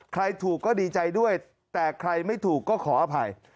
ใครถูกก็ดีใจด้วยแต่ใครไม่ถูกก็ขออภัย